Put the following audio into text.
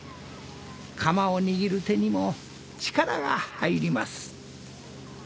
鎌を握る手にも力が入ります。